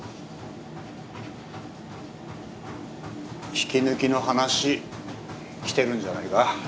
引き抜きの話来てるんじゃないか？